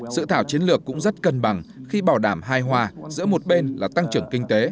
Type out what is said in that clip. sự thảo chiến lược cũng rất cân bằng khi bảo đảm hai hòa giữa một bên là tăng trưởng kinh tế